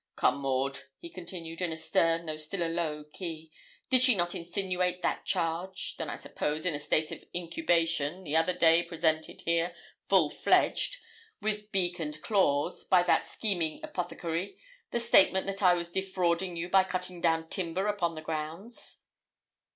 'Come, Maud,' he continued, in a stern, though still a low key, 'did she not insinuate that charge then, I suppose, in a state of incubation, the other day presented here full fledged, with beak and claws, by that scheming apothecary the statement that I was defrauding you by cutting down timber upon the grounds?'